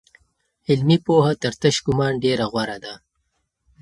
علمي پوهه تر تش ګومان ډېره غوره ده.